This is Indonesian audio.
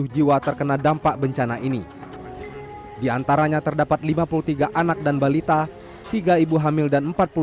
tujuh ratus enam puluh tujuh jiwa terkena dampak bencana ini diantaranya terdapat lima puluh tiga anak dan balita tiga ibu hamil dan